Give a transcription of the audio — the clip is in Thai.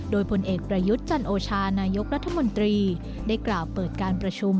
โดยผลเอกประยุทธ์จันโอชานายกรัฐมนตรีได้กล่าวเปิดการประชุม